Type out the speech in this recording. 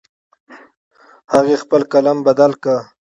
هغې خپل قلم بدل کړ